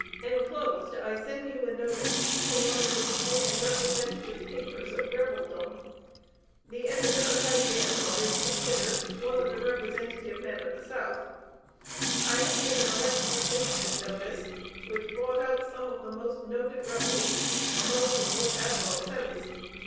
Enclosed I send you a notice from one of the leading and representative papers of rebeldom. The editor has been, or is considered, one of the representative men of the South. I have given a lecture since this notice, which brought out some of the most noted rebels, among whom was Admiral Semmes.